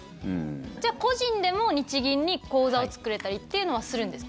じゃあ個人でも日銀に口座を作れたりっていうのはするんですか。